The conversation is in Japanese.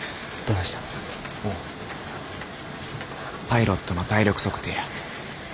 パイロットの体力測定や。